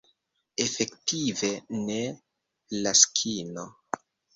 Efektive, ne, Laskino.